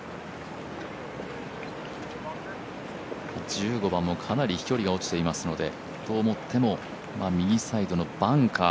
１５番もかなり飛距離が落ちていますので右サイドのバンカー。